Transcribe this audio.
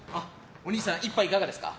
お兄さん１杯いかがですか？